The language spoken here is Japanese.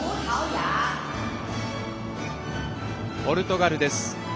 ポルトガルです。